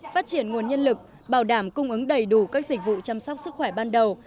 phát triển nguồn nhân lực bảo đảm cung ứng đầy đủ các dịch vụ chăm sóc sức khỏe ban đầu